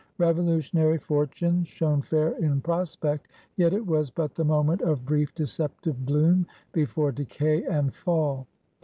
Revolutionary fortunes shone fair in prospect. Yet it was but the moment of brief, deceptive bloom before decay and fall.